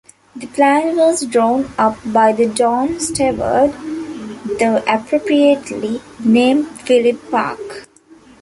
The plan was drawn up by the Town Steward, the appropriately named Philip Park.